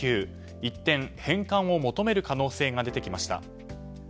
一転、返還を求める可能性が出てきました。